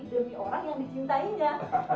demi orang yang disintainya